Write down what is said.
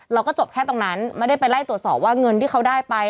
เราก็จบแค่ตรงนั้นไม่ได้ไปไล่ตรวจสอบว่าเงินที่เขาได้ไป